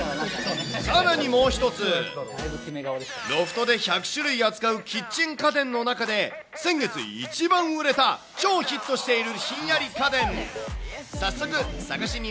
さらにもう一つ、ロフトで１００種類扱うキッチン家電の中で、先月一番売れた超ヒットしているひんやり家電。